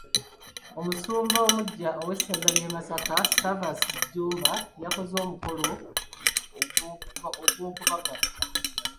Omusumba omuggya ow'essaza ly'e Masaka, Serverus Jjumba y'akoze omukolo ogw'okubagatta.